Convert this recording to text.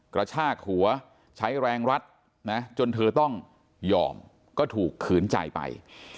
กระชากหัวใช้แรงรัดนะจนเธอต้องยอมก็ถูกขืนใจไป